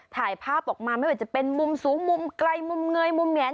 ถ่ายภาพออกมาไม่ว่าจะเป็นมุมสูงมุมไกลมุมเงยมุมแหน